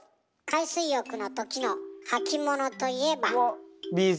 海水浴の時の履物といえば？